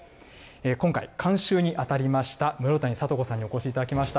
今回、監修に当たりました室谷智子さんにお越しいただきました。